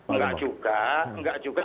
enggak juga enggak juga